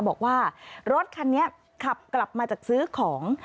บอกว่ารถคันนี้ขับกลับมาจากซื้อของ